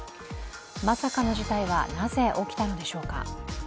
まさかの事態は、なぜ起きたのでしょうか。